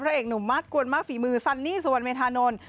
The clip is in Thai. เอกหนุ่มมาสกวนมากฝีมือซันนี่สุวรรณเมธานนท์